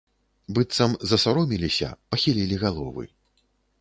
Быццам засаромеліся, пахілілі галовы.